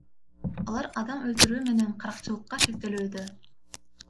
Алар адам өлтүрүү менен каракчылыкка шектелишүүдө.